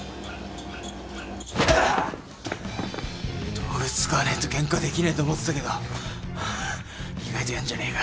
道具使わねえとケンカできねえと思ってたけど意外とやんじゃねえか。